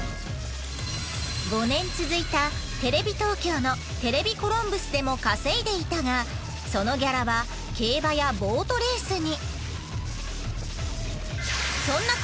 ５年続いたテレビ東京の「ＴＶコロンブス」でも稼いでいたがそのギャラは競馬やボートレースに。